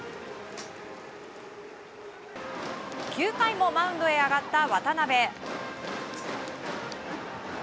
９回もマウンドへ上がった渡邊。